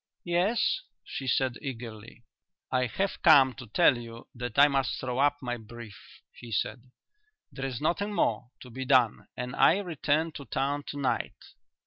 "Yes?" she said eagerly. "I have come to tell you that I must throw up my brief," he said. "There is nothing more to be done and I return to town to night."